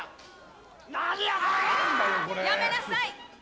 やめなさい！